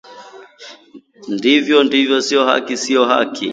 Ndiyo! Ndiyo! Sio haki! Sio haki